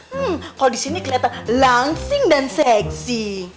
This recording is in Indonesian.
hmm kalau di sini kelihatan langsing dan seksi